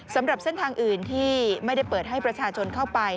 สำหรับเส้นทางอื่นที่ไม่ได้เปิดให้ประชาชนเข้าไป